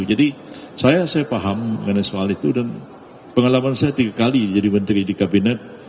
jadi saya saya paham mengenai soal itu dan pengalaman saya tiga kali jadi menteri di kabinet